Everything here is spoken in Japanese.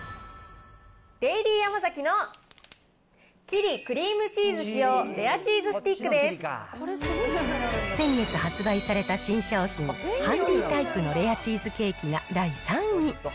デイリーヤマザキのキリクリームチーズ使用レアチーズスティ先月発売された新商品、ハンディタイプのレアチーズケーキが第３位。